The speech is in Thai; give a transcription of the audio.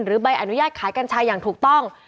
ใบอนุญาตขายกัญชาอย่างถูกต้อง